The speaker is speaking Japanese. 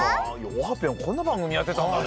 オハぴょんこんなばんぐみやってたんだね。